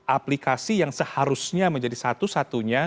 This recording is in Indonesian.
aplikasi yang seharusnya menjadi satu satunya